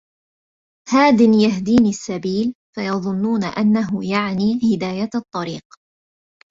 هَادٍ يَهْدِينِي السَّبِيلَ فَيَظُنُّونَ أَنَّهُ يَعْنِي هِدَايَةَ الطَّرِيقِ